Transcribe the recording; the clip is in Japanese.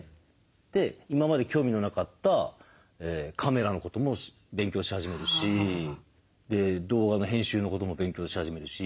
で今まで興味のなかったカメラのことも勉強し始めるし動画の編集のことも勉強し始めるし。